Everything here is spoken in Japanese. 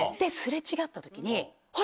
擦れ違った時に。